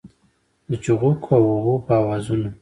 د چوغکو او اوبو په آوازونو